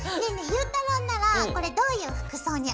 ゆうたろうならこれどういう服装に合わせる？